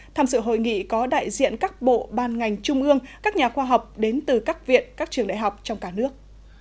tham dự hội nghị có đại diện các bộ ban ngành trung ương các nhà khoa học đến từ các viện các trường đại học trong cả nước